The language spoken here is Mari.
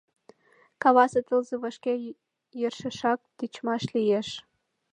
Кавасе тылзе вашке йӧршешак тичмаш лиеш.